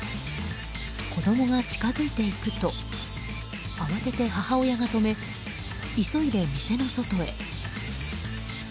子供が近づいていくと慌てて母親が止め急いで店の外へ。